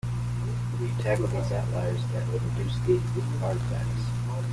If you tackled these outliers that would reduce the artifacts.